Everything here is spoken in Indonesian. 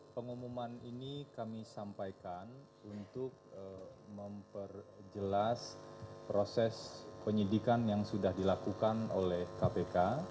pengumuman ini kami sampaikan untuk memperjelas proses penyidikan yang sudah dilakukan oleh kpk